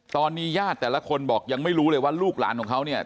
ตอนนี้ญาติแต่ละคนบอกยังไม่รู้เลยว่าลูกหลานของเขาเนี่ย